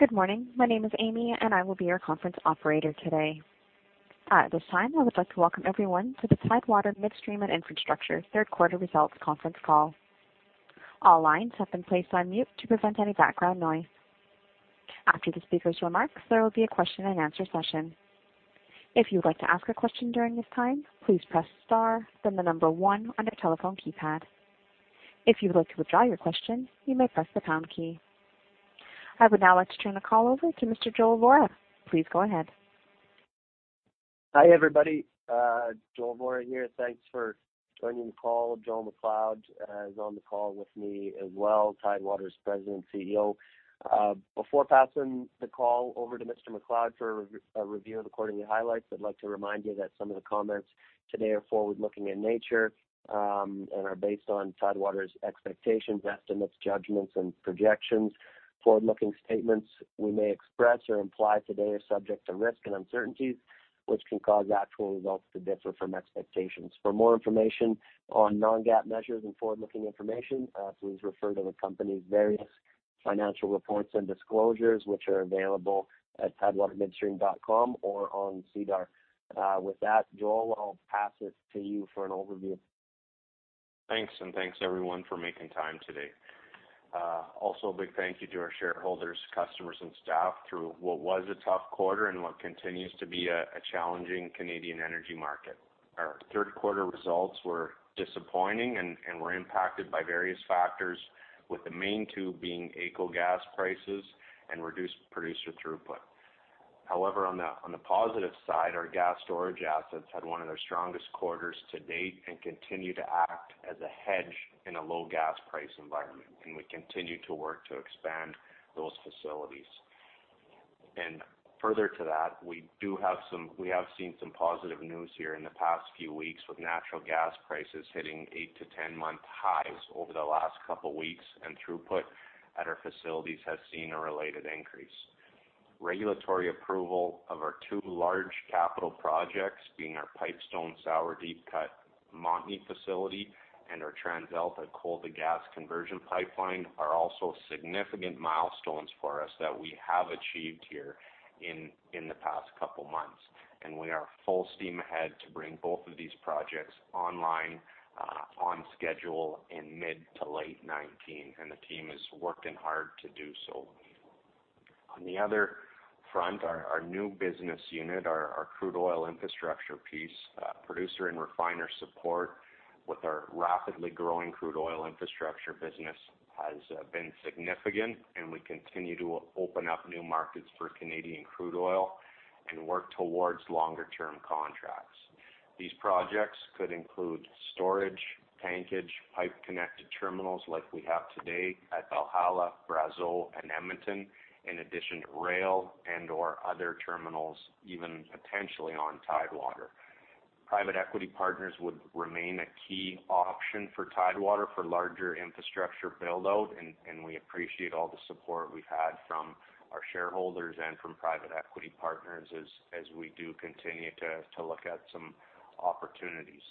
Good morning. My name is Amy, and I will be your conference operator today. At this time, I would like to welcome everyone to the Tidewater Midstream and Infrastructure third quarter results conference call. All lines have been placed on mute to prevent any background noise. After the speaker's remarks, there will be a question and answer session. If you would like to ask a question during this time, please press star then 1 on your telephone keypad. If you would like to withdraw your question, you may press the pound key. I would now like to turn the call over to Mr. Joel Vorra. Please go ahead. Hi, everybody. Joel MacLeod here. Thanks for joining the call. Joel MacLeod is on the call with me as well, Tidewater's President and CEO. Before passing the call over to Mr. Vorra for a review of the quarterly highlights, I'd like to remind you that some of the comments today are forward-looking in nature, and are based on Tidewater's expectations, estimates, judgments, and projections. Forward-looking statements we may express or imply today are subject to risks and uncertainties, which can cause actual results to differ from expectations. For more information on non-GAAP measures and forward-looking information, please refer to the company's various financial reports and disclosures, which are available at tidewatermidstream.com or on SEDAR. With that, Joel, I'll pass it to you for an overview. Thanks. Thanks everyone for making time today. Also, a big thank you to our shareholders, customers, and staff through what was a tough quarter and what continues to be a challenging Canadian energy market. Our third quarter results were disappointing and were impacted by various factors, with the main two being AECO gas prices and reduced producer throughput. However, on the positive side, our gas storage assets had one of their strongest quarters to date and continue to act as a hedge in a low gas price environment. We continue to work to expand those facilities. Further to that, we have seen some positive news here in the past few weeks with natural gas prices hitting 8 to 10-month highs over the last couple weeks, and throughput at our facilities has seen a related increase. Regulatory approval of our two large capital projects, being our Pipestone sour deep cut Montney facility and our TransAlta coal-to-gas conversion pipeline, are also significant milestones for us that we have achieved here in the past couple months. We are full steam ahead to bring both of these projects online, on schedule in mid to late 2019, and the team is working hard to do so. On the other front, our new business unit, our crude oil infrastructure piece, producer and refiner support with our rapidly growing crude oil infrastructure business has been significant. We continue to open up new markets for Canadian crude oil and work towards longer-term contracts. These projects could include storage, tankage, pipe-connected terminals like we have today at Valhalla, Brazeau, and Edmonton, in addition to rail and/or other terminals, even potentially on Tidewater. Private equity partners would remain a key option for Tidewater for larger infrastructure build-out. We appreciate all the support we've had from our shareholders and from private equity partners as we do continue to look at some opportunities.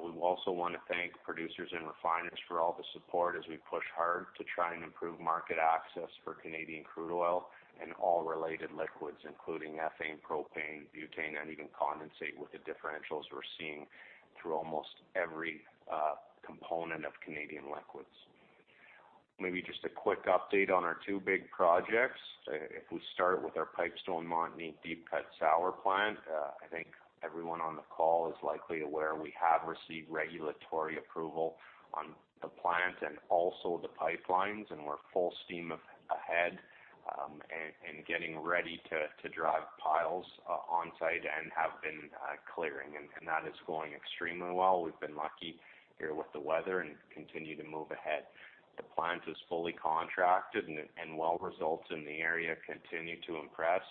We also want to thank producers and refiners for all the support as we push hard to try and improve market access for Canadian crude oil and all related liquids, including ethane, propane, butane, and even condensate, with the differentials we're seeing through almost every component of Canadian liquids. Maybe just a quick update on our two big projects. If we start with our Pipestone Montney deep cut sour plant, I think everyone on the call is likely aware we have received regulatory approval on the plant and also the pipelines. We're full steam ahead and getting ready to drive piles on-site and have been clearing. That is going extremely well. We've been lucky here with the weather and continue to move ahead. The plant is fully contracted and well results in the area continue to impress.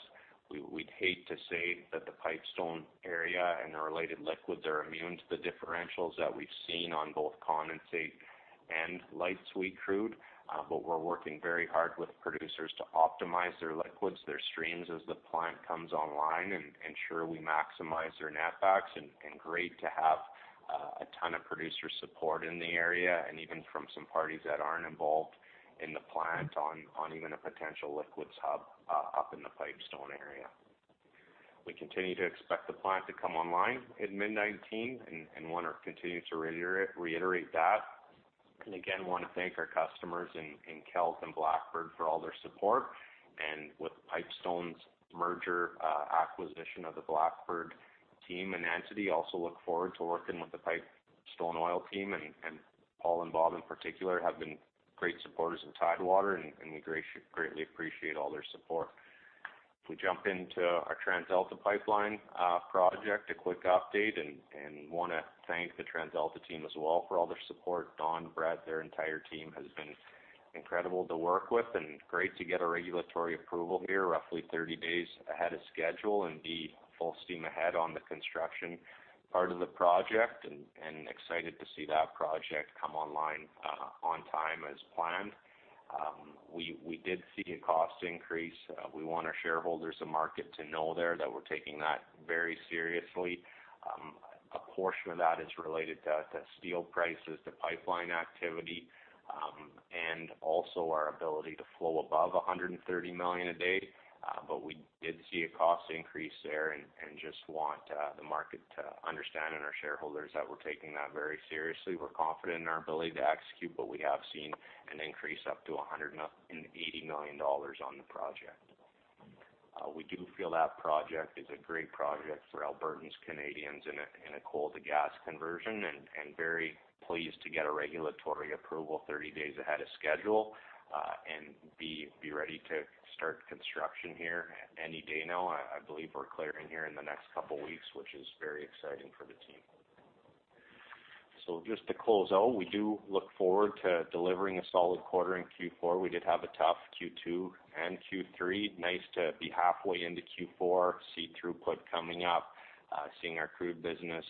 We'd hate to say that the Pipestone area and the related liquids are immune to the differentials that we've seen on both condensate and light sweet crude. We're working very hard with producers to optimize their liquids, their streams as the plant comes online and ensure we maximize their net backs. Great to have a ton of producer support in the area and even from some parties that aren't involved in the plant on even a potential liquids hub up in the Pipestone area. We continue to expect the plant to come online in mid 2019 and want to continue to reiterate that. Again, want to thank our customers in Kelt and Blackbird for all their support. With Pipestone's merger acquisition of the Blackbird team and entity, also look forward to working with the Pipestone oil team. Paul and Bob in particular have been great supporters of Tidewater. We greatly appreciate all their support. If we jump into our TransAlta pipeline project, a quick update and want to thank the TransAlta team as well for all their support. Don, Brad, their entire team has been incredible to work with. Great to get a regulatory approval here roughly 30 days ahead of schedule and be full steam ahead on the construction part of the project. Excited to see that project come online on time as planned. We did see a cost increase. We want our shareholders and market to know there that we're taking that very seriously. A portion of that is related to steel prices, to pipeline activity, and also our ability to flow above 130 million a day. We did see a cost increase there. Just want the market to understand, and our shareholders, that we're taking that very seriously. We're confident in our ability to execute, but we have seen an increase up to 180 million dollars on the project. We do feel that project is a great project for Albertans, Canadians, in a coal-to-gas conversion. Very pleased to get a regulatory approval 30 days ahead of schedule and be ready to start construction here any day now. I believe we're clearing here in the next couple of weeks, which is very exciting for the team. Just to close out, we do look forward to delivering a solid quarter in Q4. We did have a tough Q2 and Q3. Nice to be halfway into Q4, see throughput coming up, seeing our crude business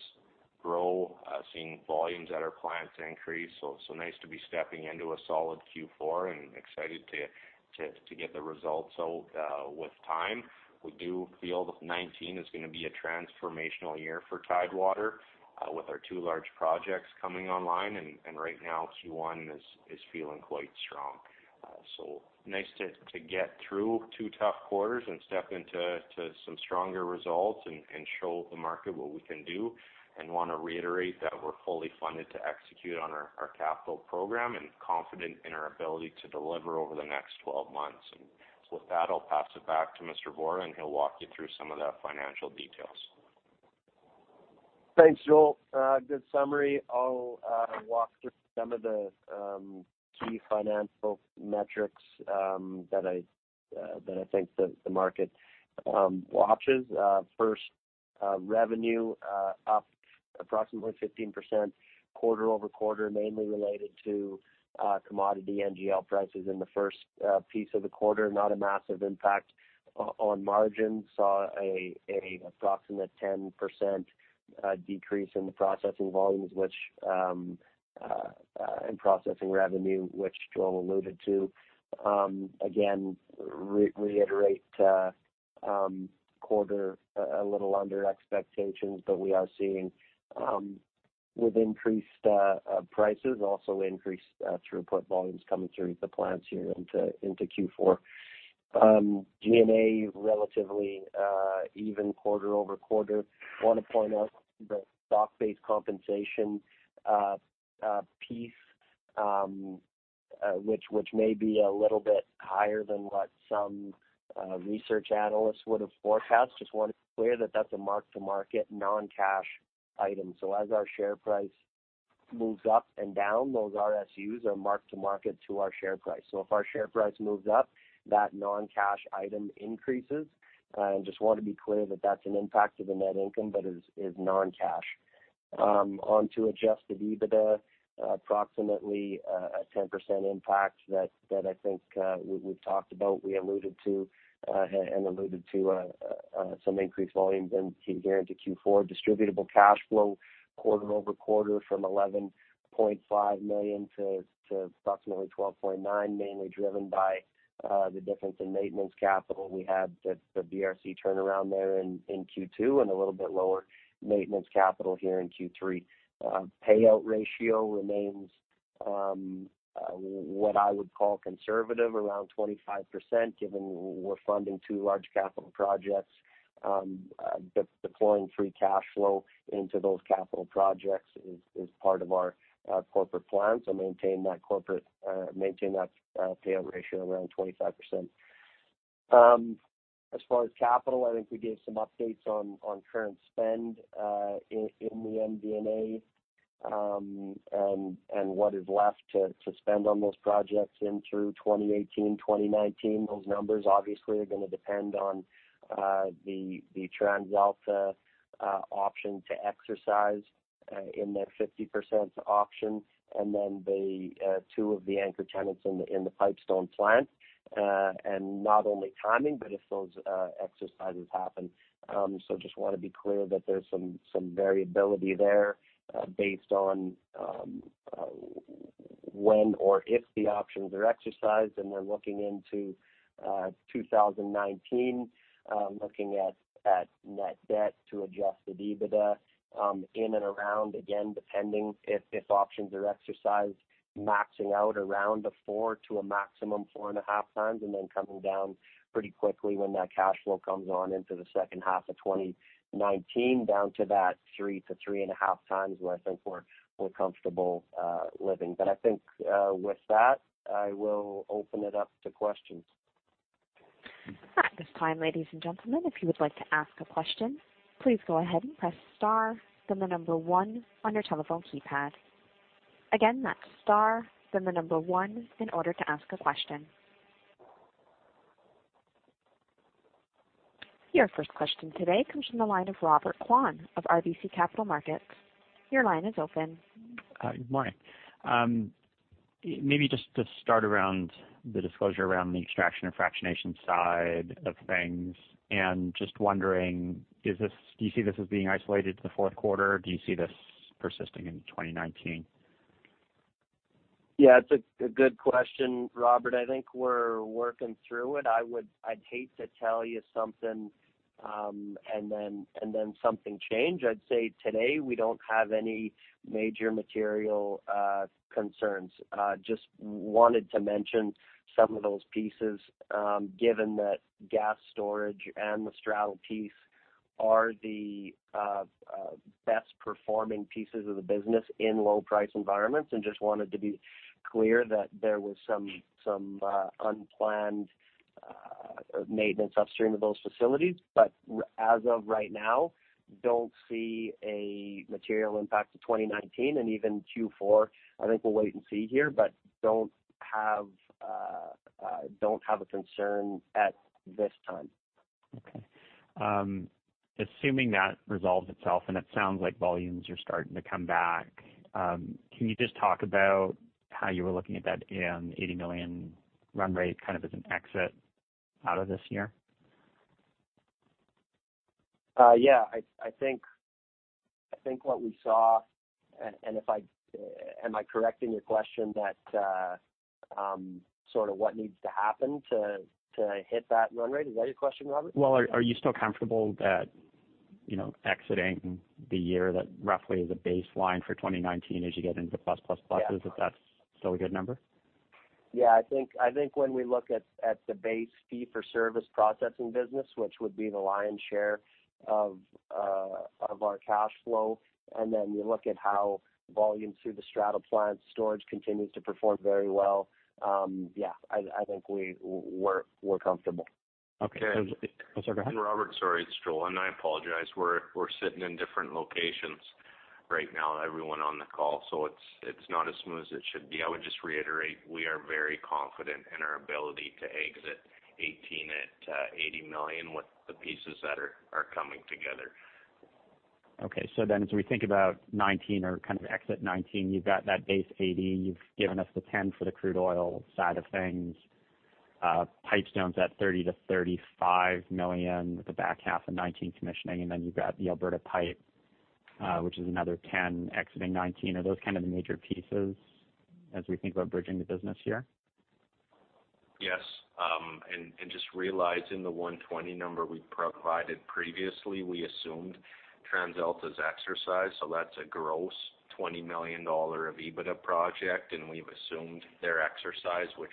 grow, seeing volumes at our plants increase. Nice to be stepping into a solid Q4 and excited to get the results out with time. We do feel that 2019 is going to be a transformational year for Tidewater with our two large projects coming online, and right now Q1 is feeling quite strong. Nice to get through two tough quarters and step into some stronger results and show the market what we can do, and want to reiterate that we're fully funded to execute on our capital program and confident in our ability to deliver over the next 12 months. With that, I'll pass it back to Mr. Vohra, and he'll walk you through some of the financial details. Thanks, Joel. Good summary. I'll walk through some of the key financial metrics that I think the market watches. First, revenue up approximately 15% quarter-over-quarter, mainly related to commodity NGL prices in the first piece of the quarter, not a massive impact on margin. Saw an approximate 10% decrease in the processing volumes, which in processing revenue, which Joel alluded to. Again, reiterate quarter a little under expectations, but we are seeing with increased prices also increased throughput volumes coming through the plants here into Q4. D&A, relatively even quarter-over-quarter. Want to point out the stock-based compensation piece, which may be a little bit higher than what some research analysts would have forecast. Just want to be clear that that's a mark-to-market non-cash item. As our share price moves up and down, those RSUs are marked to market to our share price. If our share price moves up, that non-cash item increases. Just want to be clear that that's an impact to the net income but is non-cash. On to adjusted EBITDA, approximately a 10% impact that I think we've talked about, we alluded to, and alluded to some increased volumes in here into Q4. Distributable cash flow quarter-over-quarter from 11.5 million to approximately 12.9 million, mainly driven by the difference in maintenance capital. We had the BRC turnaround there in Q2 and a little bit lower maintenance capital here in Q3. Payout ratio remains what I would call conservative, around 25%, given we're funding two large capital projects. Deploying free cash flow into those capital projects is part of our corporate plan to maintain that payout ratio around 25%. As far as capital, I think we gave some updates on current spend in the MD&A, and what is left to spend on those projects in through 2018, 2019. Those numbers obviously are going to depend on the TransAlta option to exercise in that 50% option, then the two of the anchor tenants in the Pipestone plant. Not only timing, but if those exercises happen. Just want to be clear that there's some variability there based on when or if the options are exercised. We're looking into 2019, looking at net debt to adjusted EBITDA in and around, again, depending if options are exercised, maxing out around a four to a maximum four and a half times, then coming down pretty quickly when that cash flow comes on into the second half of 2019, down to that three to three and a half times where I think we're comfortable living. I think with that, I will open it up to questions. At this time, ladies and gentlemen, if you would like to ask a question, please go ahead and press star, then the number one on your telephone keypad. Again, that's star, then the number one in order to ask a question. Your first question today comes from the line of Robert Kwan of RBC Capital Markets. Your line is open. Good morning. Maybe just to start around the disclosure around the extraction and fractionation side of things, and just wondering, do you see this as being isolated to the fourth quarter? Do you see this persisting in 2019? Yeah, it's a good question, Robert. I think we're working through it. I'd hate to tell you something and then something change. I'd say today, we don't have any major material concerns. Just wanted to mention some of those pieces, given that gas storage and the straddle piece are the best-performing pieces of the business in low price environments, and just wanted to be clear that there was some unplanned maintenance upstream of those facilities. As of right now, don't see a material impact to 2019 and even Q4. I think we'll wait and see here, but don't have a concern at this time. Okay. Assuming that resolves itself, and it sounds like volumes are starting to come back, can you just talk about how you were looking at that 80 million run rate kind of as an exit out of this year? Yeah. I think what we saw, and am I correct in your question that sort of what needs to happen to hit that run rate? Is that your question, Robert? Well, are you still comfortable that exiting the year that roughly is a baseline for 2019? Yeah. that's still a good number? Yeah, I think when we look at the base fee for service processing business, which would be the lion's share of our cash flow, then you look at how volume through the straddle plant storage continues to perform very well, yeah, I think we're comfortable. Okay. Okay. I'm sorry, go ahead. Robert, sorry, it's Joel, I apologize. We're sitting in different locations right now, everyone on the call, it's not as smooth as it should be. I would just reiterate, we are very confident in our ability to exit 2018 at 80 million with the pieces that are coming together. Okay, as we think about 2019 or kind of exit 2019, you've got that base 80 million, you've given us the 10 million for the crude oil side of things. Pipestone's at 30 million-35 million with the back half of 2019 commissioning, and then you've got the Alberta pipe, which is another 10 million exiting 2019. Are those kind of the major pieces as we think about bridging the business here? Yes. Just realizing the 120 million number we provided previously, we assumed TransAlta's exercise, that's a gross 20 million dollar of EBITDA project, and we've assumed their exercise, which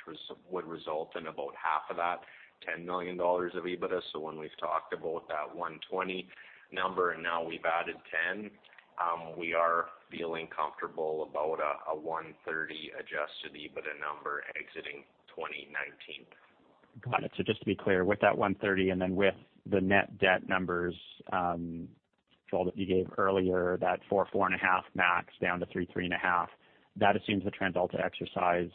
would result in about half of that, 10 million dollars of EBITDA. When we've talked about that 120 million number and now we've added 10 million, we are feeling comfortable about a 130 million adjusted EBITDA number exiting 2019. Got it. Just to be clear, with that 130 million and then with the net debt numbers, Joel, that you gave earlier, that four, 4.5 max down to three, 3.5, that assumes the TransAlta exercise.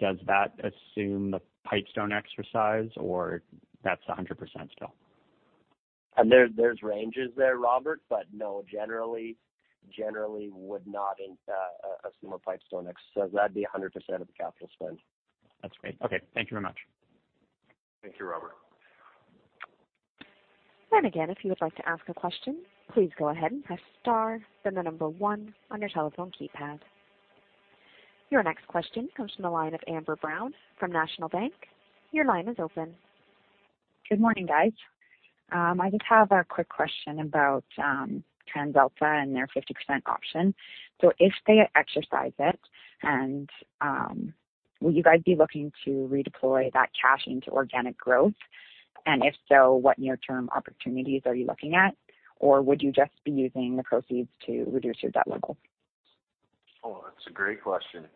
Does that assume the Pipestone exercise, or that's 100% still? There's ranges there, Robert. No, generally would not assume a Pipestone exercise. That'd be 100% of the capital spend. That's great. Okay. Thank you very much. Thank you, Robert. Again, if you would like to ask a question, please go ahead and press star, then the number 1 on your telephone keypad. Your next question comes from the line of Amber Brown from National Bank. Your line is open. Good morning, guys. I just have a quick question about TransAlta and their 50% option. If they exercise it, will you guys be looking to redeploy that cash into organic growth? If so, what near-term opportunities are you looking at? Would you just be using the proceeds to reduce your debt level? Oh, that's a great question,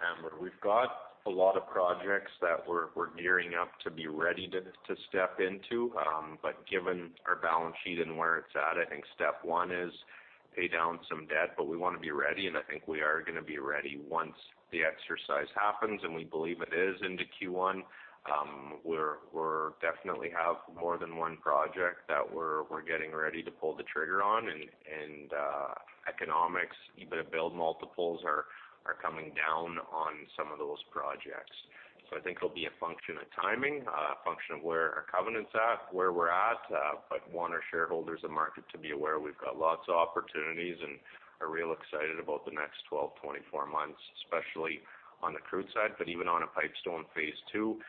Amber. We've got a lot of projects that we're gearing up to be ready to step into. Given our balance sheet and where it's at, I think step 1 is pay down some debt. We want to be ready, and I think we are going to be ready once the exercise happens, and we believe it is into Q1. We definitely have more than one project that we're getting ready to pull the trigger on, and economics, EBITDA build multiples are coming down on some of those projects. I think it'll be a function of timing, a function of where our covenant's at, where we're at. Want our shareholders and market to be aware we've got lots of opportunities and are real excited about the next 12, 24 months, especially on the crude side. Even on a Pipestone phase 2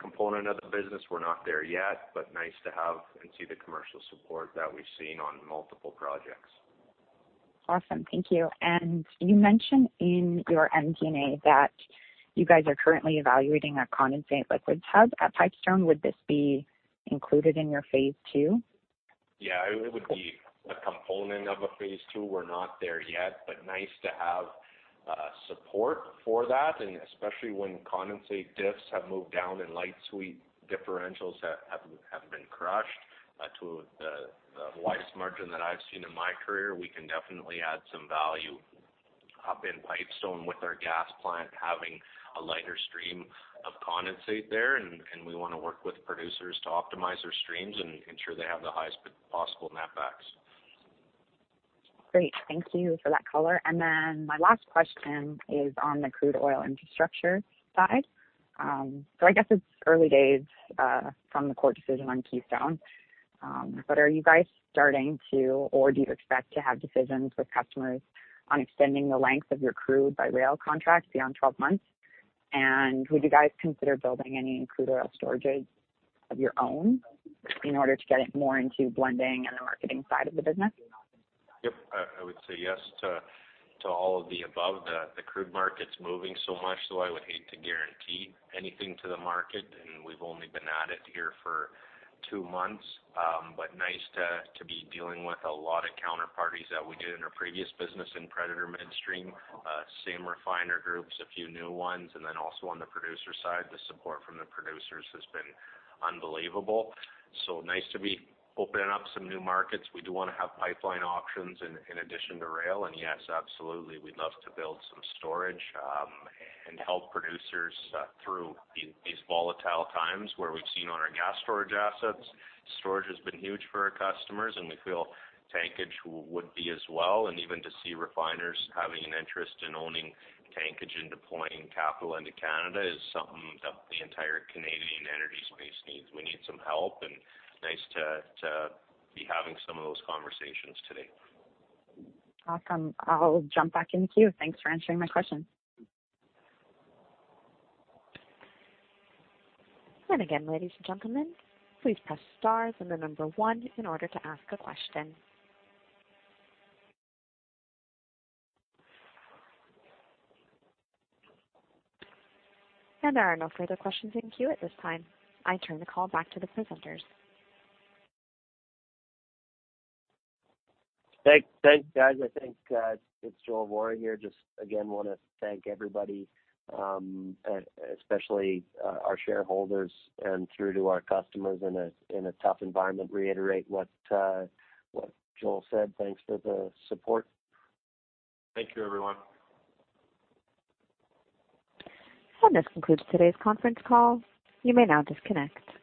component of the business, we're not there yet, but nice to have and see the commercial support that we've seen on multiple projects. Awesome. Thank you. You mentioned in your MD&A that you guys are currently evaluating a condensate liquids hub at Pipestone. Would this be included in your phase 2? Yeah. It would be a component of a phase 2. We're not there yet, but nice to have support for that, and especially when condensate diffs have moved down and light sweet differentials have been crushed to the widest margin that I've seen in my career. We can definitely add some value up in Pipestone with our gas plant having a lighter stream of condensate there, and we want to work with producers to optimize their streams and ensure they have the highest possible net backs. Great. Thank you for that color. My last question is on the crude oil infrastructure side. I guess it's early days from the court decision on Keystone. Are you guys starting to, or do you expect to have decisions with customers on extending the length of your crude by rail contract beyond 12 months? Would you guys consider building any crude oil storages of your own in order to get it more into blending and the marketing side of the business? Yep. I would say yes to all of the above. The crude market's moving so much, so I would hate to guarantee anything to the market, and we've only been at it here for two months. Nice to be dealing with a lot of counterparties that we did in our previous business in Predator Midstream, same refiner groups, a few new ones, and then also on the producer side, the support from the producers has been unbelievable. Nice to be opening up some new markets. We do want to have pipeline options in addition to rail, and yes, absolutely, we'd love to build some storage and help producers through these volatile times where we've seen on our gas storage assets. Storage has been huge for our customers, and we feel tankage would be as well, and even to see refiners having an interest in owning tankage and deploying capital into Canada is something that the entire Canadian energy space needs. We need some help, and nice to be having some of those conversations today. Awesome. I'll jump back in queue. Thanks for answering my question. Again, ladies and gentlemen, please press star and the number one in order to ask a question. There are no further questions in queue at this time. I turn the call back to the presenters. Thanks. Thanks, guys. I think it's Joel Vohra here, just again, I want to thank everybody, especially our shareholders and through to our customers in a tough environment, reiterate what Joel said. Thanks for the support. Thank you, everyone. This concludes today's conference call. You may now disconnect.